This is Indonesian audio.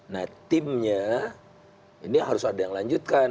nah timnya ini harus ada yang lanjutkan